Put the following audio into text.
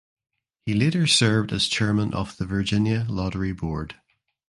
He later served as chairman of the Virginia Lottery board.